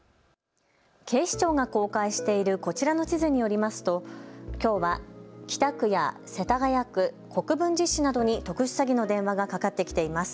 警視庁が公開しているこちらの地図によりますときょうは北区や世田谷区、国分寺市などに特殊詐欺の電話がかかってきています。